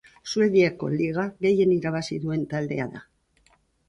Suediako liga gehien irabazi duen taldea da.